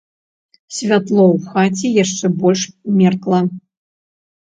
Святло ў хаце яшчэ больш меркла.